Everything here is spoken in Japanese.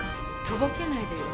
とぼけないでよ。